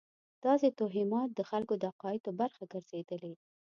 داسې توهمات د خلکو د عقایدو برخه ګرځېدلې.